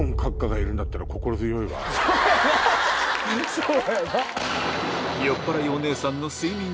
そうやな！